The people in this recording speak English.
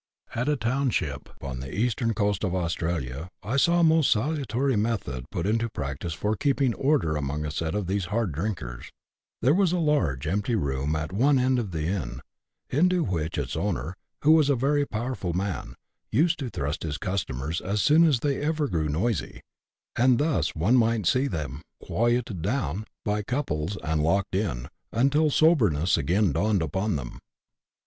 At a township on the eastern coast of Australia I saw a most salutary method put into practice for keeping order among a set of these hard drinkers : there was a large empty room at one end of the inn, into which its owner, who was a very powerful man, used to thrust his customers as soon as ever they grew noisy ; and thus one might see them " quoited down" by couples, and locked in, until soberness again dawned upon them.